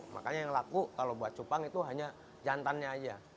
makanya yang laku kalau buat cupang itu hanya jantannya aja